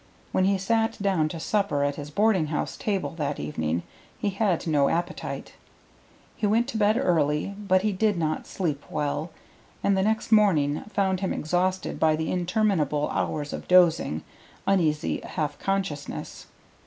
When he sat down to supper at his boarding house table that evening he had no appetite. He went to bed early, but he did not sleep well, and the next morning found him exhausted by the interminable hours of dozing, uneasy half consciousness.